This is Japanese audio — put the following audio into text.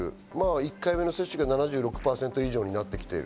１回目の接種が７６％以上になってきてる。